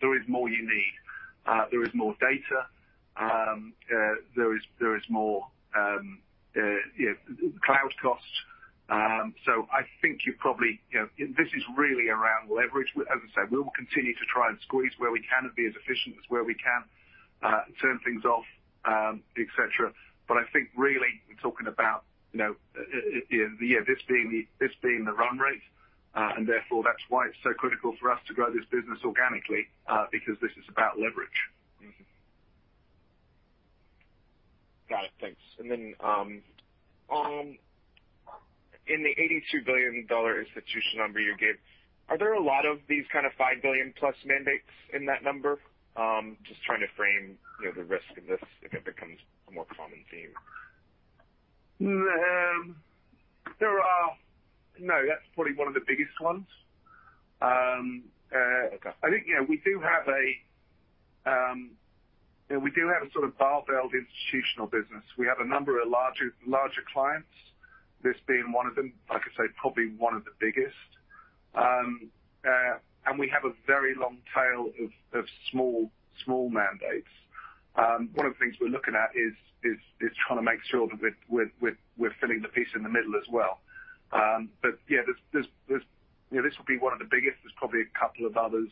there is more you need. There is more data. There is more, you know, cloud costs. You know, this is really around leverage. As I said, we will continue to try and squeeze where we can and be as efficient as we can, turn things off, et cetera. I think really we're talking about, you know, you know, this being the run rate. And therefore that's why it's so critical for us to grow this business organically, because this is about leverage. Got it. Thanks. In the $82 billion institution number you gave, are there a lot of these kind of 5 billion+ mandates in that number? Just trying to frame, you know, the risk of this if it becomes a more common theme. No, that's probably one of the biggest ones. Okay. I think, you know, we do have a sort of barbelled institutional business. We have a number of larger clients, this being one of them, like I say, probably one of the biggest. We have a very long tail of small mandates. One of the things we're looking at is trying to make sure that we're filling the piece in the middle as well. Yeah, you know, this will be one of the biggest. There's probably a couple of others,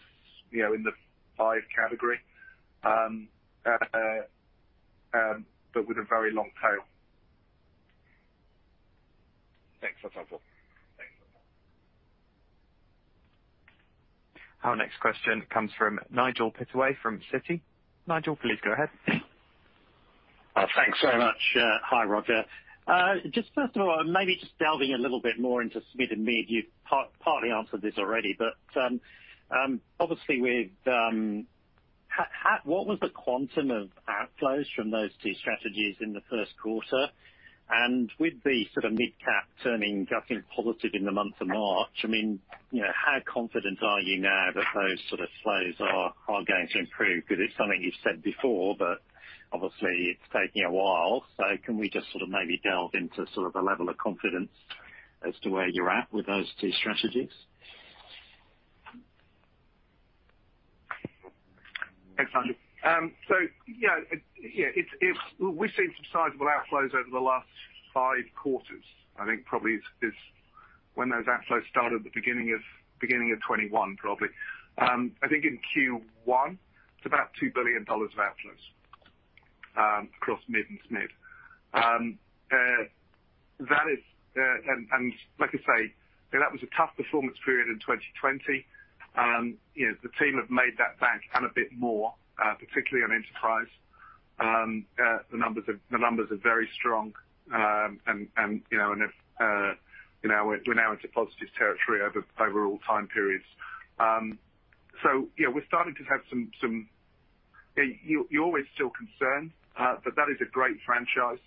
you know, in the five category, but with a very long tail. Thanks. That's helpful. Thanks. Our next question comes from Nigel Pittaway from Citi. Nigel, please go ahead. Thanks so much. Hi, Roger. Just first of all, maybe just delving a little bit more into SMID. You partly answered this already, but what was the quantum of outflows from those two strategies in the first quarter? With the sort of mid-cap turning, I think, positive in the month of March, I mean, you know, how confident are you now that those sort of flows are going to improve? Because it's something you've said before, but obviously it's taking a while. Can we just sort of maybe delve into sort of the level of confidence as to where you're at with those two strategies? Thanks, Nigel. Yeah, we've seen some sizable outflows over the last five quarters. I think probably it's when those outflows started, the beginning of 2021, probably. I think in Q1 it's about $2 billion of outflows across mid and SMID. That is, and like I say, you know, that was a tough performance period in 2020. You know, the team have made that back and a bit more, particularly on Enterprise. The numbers are very strong. You know, we're now into positive territory over all time periods. Yeah, we're starting to have some. You're always still concerned, but that is a great franchise.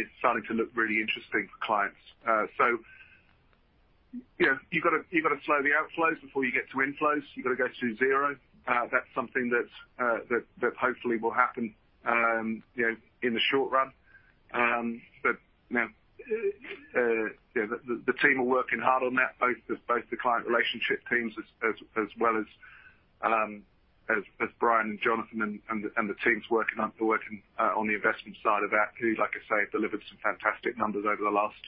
It's starting to look really interesting for clients. You know, you gotta slow the outflows before you get to inflows. You gotta go through zero. That's something that hopefully will happen, you know, in the short run. Now, yeah, the team are working hard on that, both the client relationship teams as well as Brian and Jonathan and the teams working on the investment side of that, who, like I say, have delivered some fantastic numbers over the last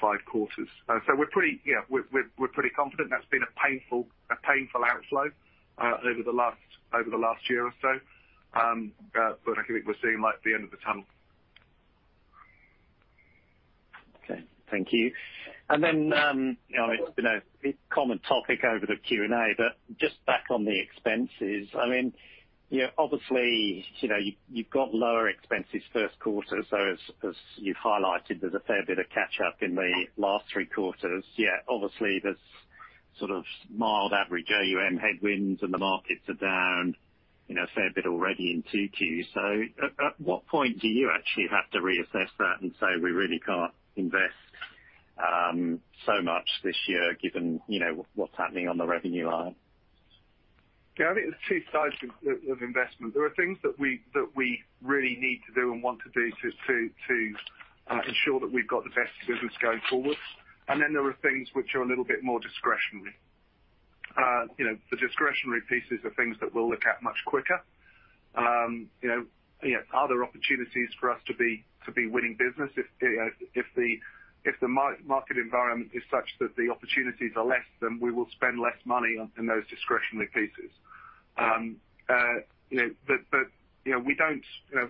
five quarters. We're pretty confident that's been a painful outflow over the last year or so. I think we're seeing light at the end of the tunnel. Okay. Thank you. You know, it's been a common topic over the Q&A, but just back on the expenses. I mean, you know, obviously, you know, you've got lower expenses first quarter, so as you highlighted, there's a fair bit of catch up in the last three quarters. Yet obviously there's sort of mild average AUM headwinds and the markets are down, you know, a fair bit already in 2Q. At what point do you actually have to reassess that and say, "We really can't invest so much this year given, you know, what's happening on the revenue line? Yeah, I think there's two sides of investment. There are things that we really need to do and want to do to ensure that we've got the best business going forward. There are things which are a little bit more discretionary. You know, the discretionary pieces are things that we'll look at much quicker. You know, are there opportunities for us to be winning business? If the market environment is such that the opportunities are less, then we will spend less money on those discretionary pieces.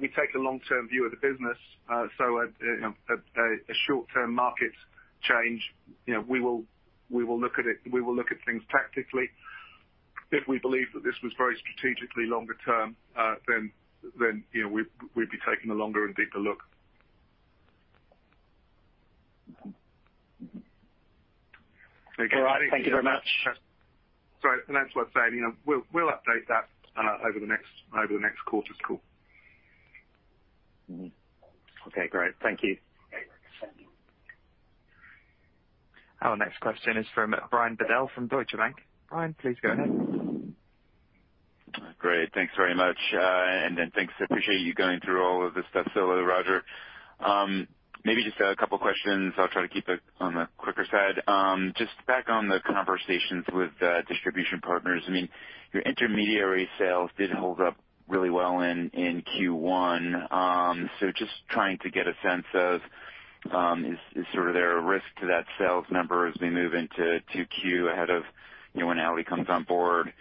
We take a long-term view of the business. You know, a short-term market change, you know, we will look at it. We will look at things tactically. If we believe that this was very strategically longer term, then, you know, we'd be taking a longer and deeper look. All right. Thank you very much. Sorry, that's worth saying. You know, we'll update that over the next quarter's call. Mm-hmm. Okay. Great. Thank you. Okay. Thank you. Our next question is from Brian Bedell from Deutsche Bank. Brian, please go ahead. Great. Thanks very much. Thanks, appreciate you going through all of this stuff, so Roger. Maybe just a couple questions. I'll try to keep it on the quicker side. Just back on the conversations with distribution partners. I mean, your intermediary sales did hold up really well in Q1. Just trying to get a sense of, is sort of there a risk to that sales number as we move into 2Q ahead of, you know, when Ali comes on board?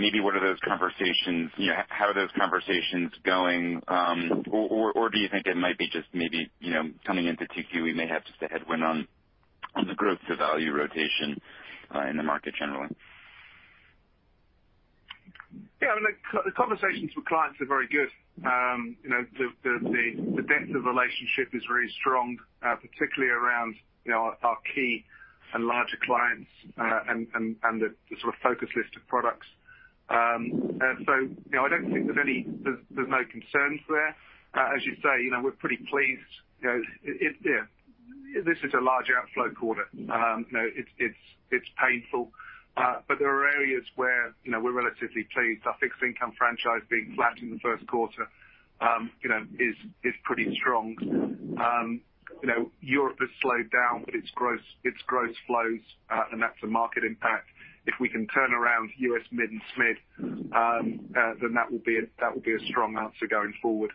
Maybe what are those conversations, you know, how are those conversations going? Or do you think it might be just maybe, you know, coming into 2Q, we may have just a headwind on the growth to value rotation in the market generally? Yeah, I mean, the conversations with clients are very good. You know, the depth of relationship is very strong, particularly around, you know, our key and larger clients, and the sort of focus list of products. You know, I don't think there's any concerns there. As you say, you know, we're pretty pleased. You know, it. Yeah. This is a large outflow quarter. You know, it's painful, but there are areas where, you know, we're relatively pleased. Our fixed income franchise being flat in the first quarter, you know, is pretty strong. You know, Europe has slowed down its gross flows, and that's a market impact. If we can turn around US mid and SMID, then that will be a strong answer going forward.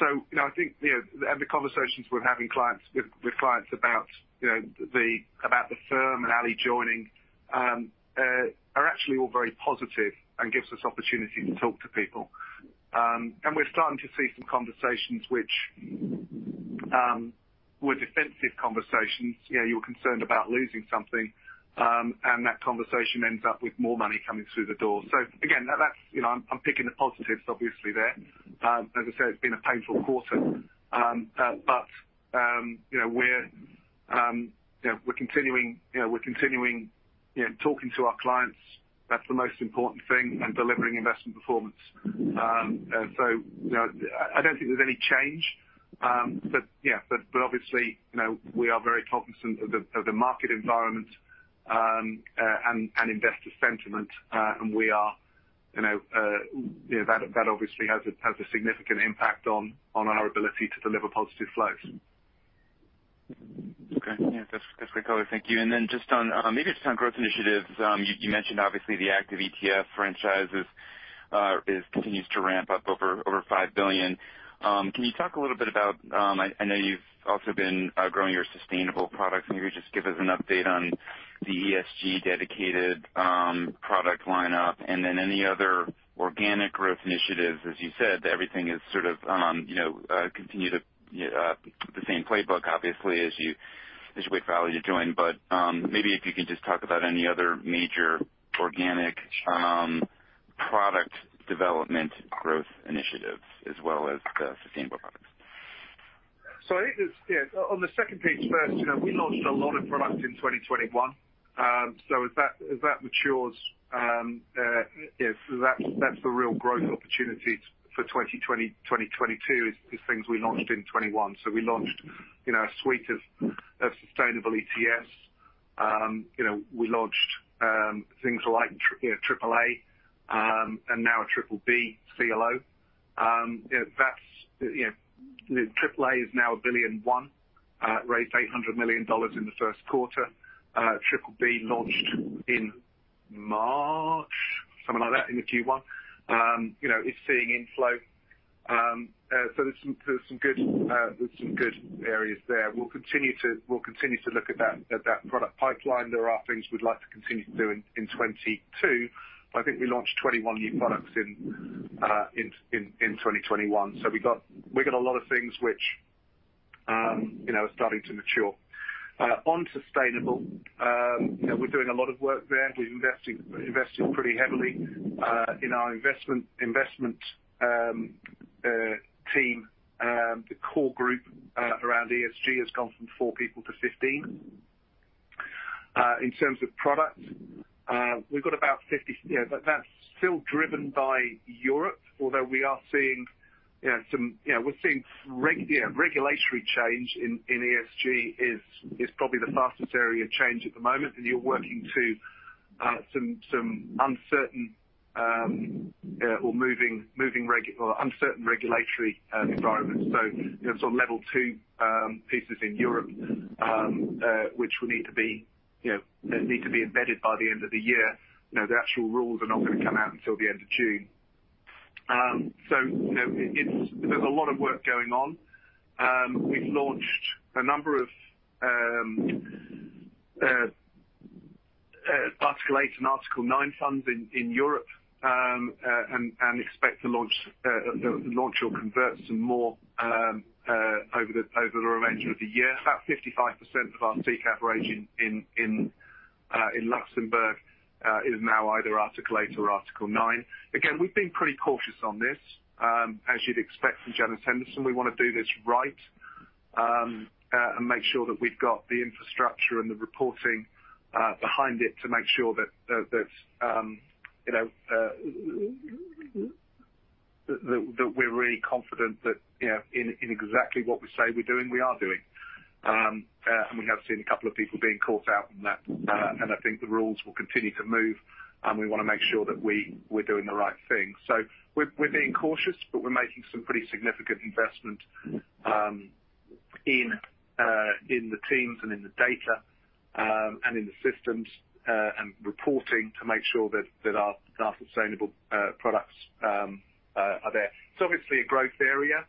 You know, I think the conversations we're having with clients about the firm and Ali joining are actually all very positive and gives us opportunity to talk to people. We're starting to see some conversations which were defensive conversations. You know, you're concerned about losing something, and that conversation ends up with more money coming through the door. Again, that's you know. I'm picking the positives obviously there. As I said, it's been a painful quarter. You know, we're continuing talking to our clients. That's the most important thing. Delivering investment performance. You know, I don't think there's any change. Yeah, obviously, you know, we are very cognizant of the market environment, and investor sentiment. We are, you know, that obviously has a significant impact on our ability to deliver positive flows. Okay. Yeah, that's great color. Thank you. Just on maybe just on growth initiatives. You mentioned obviously the active ETF franchise continues to ramp up over $5 billion. Can you talk a little bit about. I know you've also been growing your sustainable products. Can you just give us an update on the ESG dedicated product lineup? Any other organic growth initiatives. As you said, everything is sort of you know continue to the same playbook, obviously, as you wait for Ali to join. Maybe if you could just talk about any other major organic product development growth initiatives as well as the sustainable products. I think it's yeah on the second page first, you know, we launched a lot of products in 2021. As that matures, you know, that's the real growth opportunity for 2022 is things we launched in 2021. We launched, you know, a suite of sustainable ETFs. You know, we launched things like, you know, AAA and now a BBB CLO. You know, that's AAA is now a billion and one. It raised $800 million in the first quarter. BBB launched in March, something like that, in Q1. You know, it's seeing inflow. There's some good areas there. We'll continue to look at that product pipeline. There are things we'd like to continue to do in 2022. I think we launched 21 new products in 2021. We got a lot of things which, you know, are starting to mature. On sustainable, you know, we're doing a lot of work there. We're investing pretty heavily in our investment team. The core group around ESG has gone from four people to 15. In terms of product, we've got about 50. You know, but that's still driven by Europe. Although we are seeing, you know, some. You know, we're seeing regulatory change in ESG is probably the fastest area of change at the moment, and you're working in some uncertain or moving regulatory environments. You know, sort of level two pieces in Europe, which will need to be embedded by the end of the year. You know, the actual rules are not gonna come out until the end of June. You know, it's. There's a lot of work going on. We've launched a number of Article 8 and Article 9 funds in Europe, and expect to launch or convert some more over the remainder of the year. About 55% of our SICAV coverage in Luxembourg is now either Article 8 or Article 9. Again, we've been pretty cautious on this. As you'd expect from Janus Henderson, we wanna do this right, and make sure that we've got the infrastructure and the reporting behind it to make sure that that we're really confident that you know in exactly what we say we're doing, we are doing. We have seen a couple of people being caught out on that, and I think the rules will continue to move, and we wanna make sure that we're doing the right thing. We're being cautious, but we're making some pretty significant investment in the teams and in the data and in the systems and reporting to make sure that our sustainable products are there. It's obviously a growth area.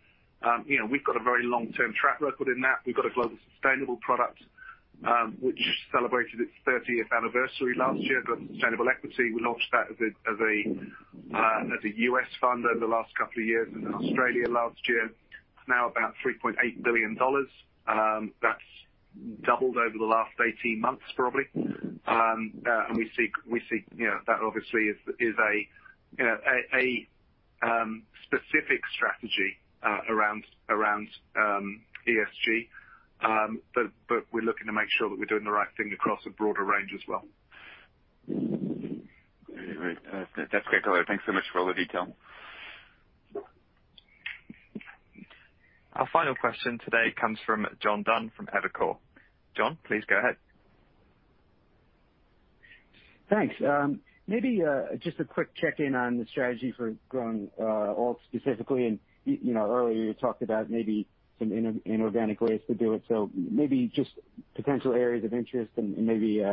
You know, we've got a very long-term track record in that. We've got a global sustainable product which celebrated its 30th anniversary last year. Global Sustainable Equity, we launched that as a US fund over the last couple of years, and in Australia last year. It's now about $3.8 billion. That's doubled over the last 18 months probably. We see you know that obviously is a you know a specific strategy around ESG. We're looking to make sure that we're doing the right thing across a broader range as well. Great. That's great, Roger. Thanks so much for all the detail. Our final question today comes from John Dunn from Evercore. John, please go ahead. Thanks. Maybe just a quick check-in on the strategy for growing alts specifically. You know, earlier you talked about maybe some inorganic ways to do it. Maybe just potential areas of interest and maybe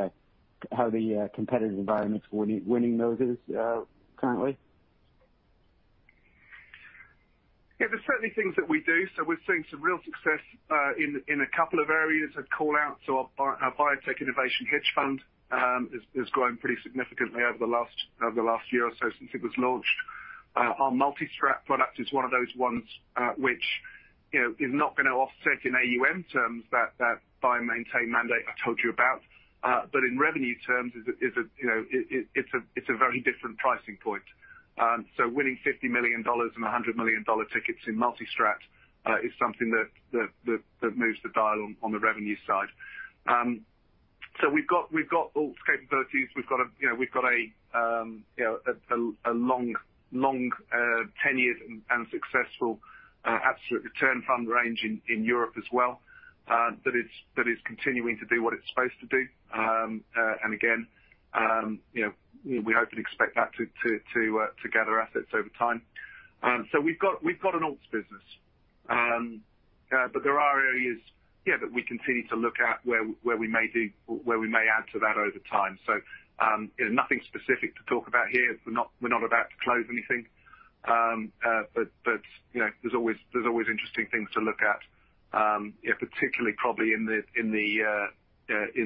how the competitive environment for winning those is currently. Yeah, there's certainly things that we do. We're seeing some real success in a couple of areas I'd call out. Our Biotech Innovation Fund is growing pretty significantly over the last year or so since it was launched. Our multi-strat product is one of those ones, which, you know, is not gonna offset in AUM terms that buy and maintain mandate I told you about. But in revenue terms, it's a, you know, it's a very different pricing point. Winning $50 million and $100 million tickets in multi-strat is something that moves the dial on the revenue side. We've got alts capabilities. We've got a, you know, a long tenured and successful absolute return fund range in Europe as well that is continuing to do what it's supposed to do. Again, you know, we hope and expect that to gather assets over time. We've got an alts business. There are areas, you know, that we continue to look at where we may add to that over time. You know, nothing specific to talk about here. We're not about to close anything. you know, there's always interesting things to look at, you know, particularly probably in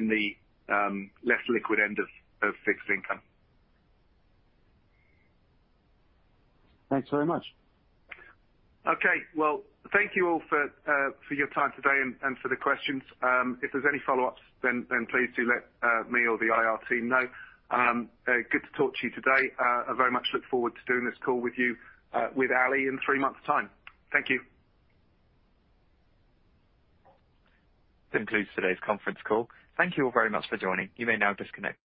the less liquid end of fixed income. Thanks very much. Okay. Well, thank you all for your time today and for the questions. If there's any follow-ups, then please do let me or the IR team know. Good to talk to you today. I very much look forward to doing this call with you with Ali in three months' time. Thank you. This concludes today's conference call. Thank you all very much for joining. You may now disconnect.